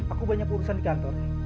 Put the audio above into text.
aku banyak urusan di kantor